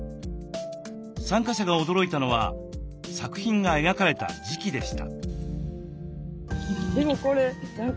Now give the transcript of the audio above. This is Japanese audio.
参加者が驚いたのは作品が描かれた時期でした。